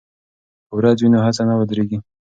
که ورځ وي نو هڅه نه ودریږي.